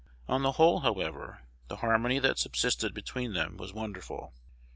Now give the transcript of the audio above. On the whole, however, the harmony that subsisted between them was wonderful.